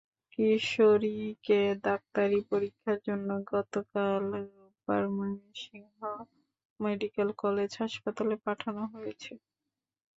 কিশোরীকে ডাক্তারি পরীক্ষার জন্য গতকাল রোববার ময়মনসিংহ মেডিকেল কলেজ হাসপাতালে পাঠানো হয়েছে।